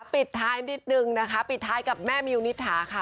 ปิดท้ายนิดนึงนะคะปิดท้ายกับแม่มิวนิษฐาค่ะ